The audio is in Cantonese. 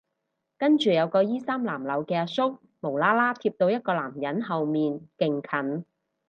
跟住有個衣衫襤褸嘅阿叔無啦啦貼到一個男人後面勁近